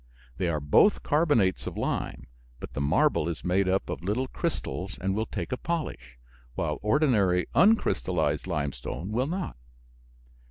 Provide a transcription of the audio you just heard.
They are both carbonates of lime. But the marble is made up of little crystals and will take a polish, while ordinary uncrystallized limestone will not.